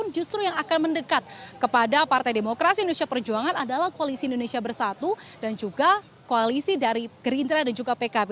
justru yang akan mendekat kepada partai demokrasi indonesia perjuangan adalah koalisi indonesia bersatu dan juga koalisi dari gerindra dan juga pkb